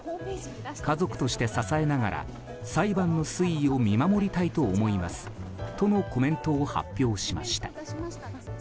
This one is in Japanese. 家族として支えながら裁判の推移を見守りたいと思いますとのコメントを発表しました。